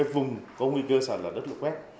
vùng có nguy cơ sản là đất liền